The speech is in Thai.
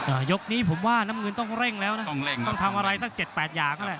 ยกนี้ผมว่าน้ำเงินต้องเร่งแล้วนะต้องเร่งต้องทำอะไรสักเจ็ดแปดอย่างนั่นแหละ